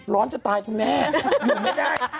ร้อนจะตายคุณแม่อยู่ไม่ได้